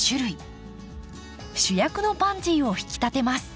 主役のパンジーを引き立てます。